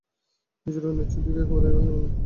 নিজের অনিচ্ছার দিকে একেবারেই তাকাইবে না।